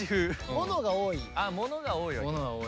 物が多い。